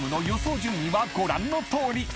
順位はご覧のとおり］